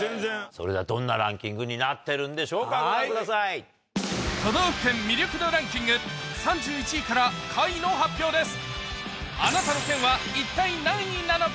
それではどんなランキングになってるんでしょうかご覧ください。の発表です